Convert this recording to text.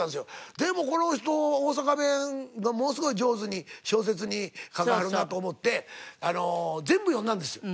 でもこの人大阪弁をものすごい上手に小説に書かはるなと思ってあの全部読んだんですよ。